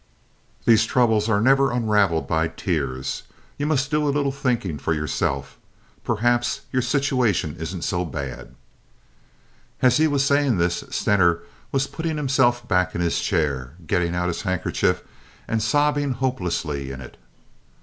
These troubles are never unraveled by tears. You must do a little thinking for yourself. Perhaps your situation isn't so bad." As he was saying this Stener was putting himself back in his chair, getting out his handkerchief, and sobbing hopelessly in it.